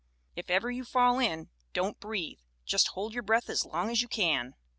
If ever you fall in, don't breathe just hold your breath as long as you can.